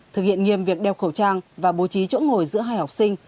thực hiện nghiêm việc đeo khẩu trang và bố trí chỗ ngồi giữa hai học sinh